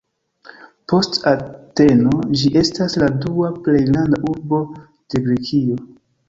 Post Ateno ĝi estas la dua plej granda urbo de Grekio.